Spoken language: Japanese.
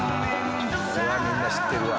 これはみんな知ってるわ。